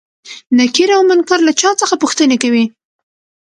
نکير او منکر له چا څخه پوښتنې کوي؟